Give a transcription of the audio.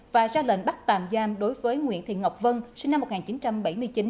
và ra lệnh bắt tạm giam đối với nguyễn thị ngọc vân sinh năm một nghìn chín trăm bảy mươi chín